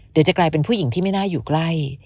เดี๋ยวจะกลายเป็นผู้หญิงที่ไม่น่าอยู่ใกล้